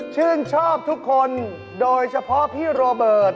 ชื่นชอบทุกคนโดยเฉพาะพี่โรเบิร์ต